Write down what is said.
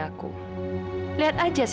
kalau bercanda aku durch